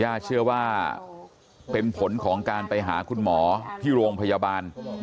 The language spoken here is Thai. ย่าเชื่อว่าเป็นผลของการไปหาคุณหมอที่โรงพยาบาล